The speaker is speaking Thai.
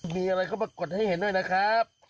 มีอะไรเข้ามากดให้เห็นด้วยนะครับ